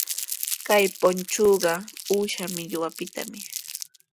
Kay punchuqa uusha millwapitami.